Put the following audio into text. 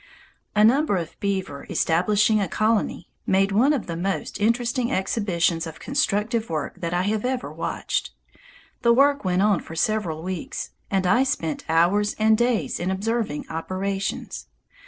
A number of beaver establishing a colony made one of the most interesting exhibitions of constructive work that I have ever watched. The work went on for several weeks, and I spent hours and days in observing operations.